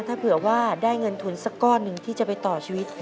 ถ้าเผื่อว่าได้เงินทุนสักก้อนหนึ่งที่จะไปต่อชีวิต